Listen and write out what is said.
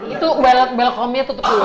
itu welcome nya tutup dulu